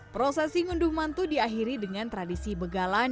prosesi ngunduh mantu diakhiri dengan tradisi begalan